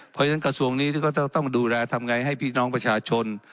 เพราะฉะนั้นกระทรวงนี้ก็ต้องดูแลทำไงให้พี่น้องประชาชน